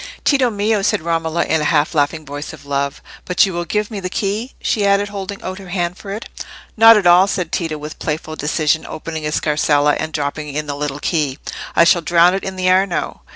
"Tito mio!" said Romola, in a half laughing voice of love; "but you will give me the key?" she added, holding out her hand for it. "Not at all!" said Tito, with playful decision, opening his scarsella and dropping in the little key. "I shall drown it in the Arno."